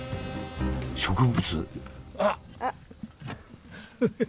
植物？